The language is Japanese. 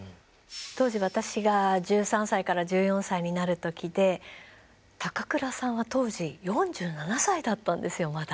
当時私が１３歳から１４歳になる時で高倉さんは当時４７歳だったんですよまだ。